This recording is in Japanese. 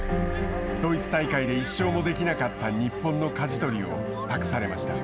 ドイツ大会で１勝もできなかった日本のかじ取りを託されました。